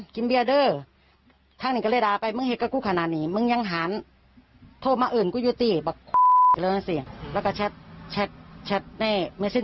คือแปลงประมาณนั้นทุกนานไปถึงอายุควรกลักษณ์ที่เผชิญเมื่อเนี่ย